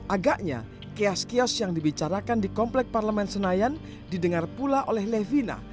agaknya kios kios yang dibicarakan di komplek parlemen senayan didengar pula oleh levina